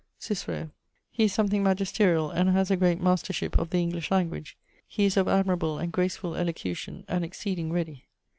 _ CICERO. He is something magisteriall, and haz a great mastership of the English language. He is of admirable and gracefull elocution, and exceeding ready.